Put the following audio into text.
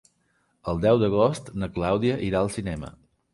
El deu d'agost na Clàudia irà al cinema.